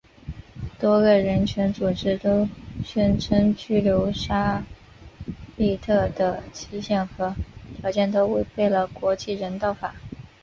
多个人权组织都宣称拘留沙利特的期限和条件都违背了国际人道法。